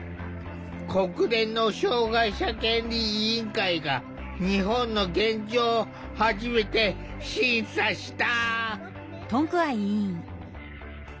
国連の障害者権利委員会が日本の現状を初めて審査した。